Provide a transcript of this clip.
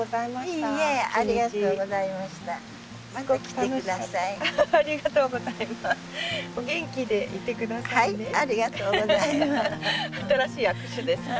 新しい握手ですね。